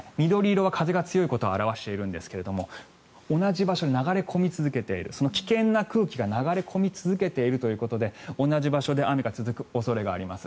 このように緑色は風が強いことを示しているんですが同じ場所に流れ込み続けている危険な場所に流れ込み続けているということで同じ場所で雨が続く恐れがあります。